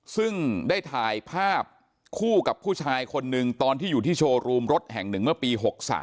ซึ่งได้ถ่ายภาพคู่กับผู้ชายคนหนึ่งตอนที่อยู่ที่โชว์รูมรถแห่งหนึ่งเมื่อปี๖๓